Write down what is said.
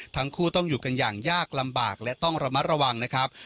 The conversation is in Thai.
ทั้งคู่ต้องอยู่กันอย่างยากลำบากและต้องระมัดระวังนะครับ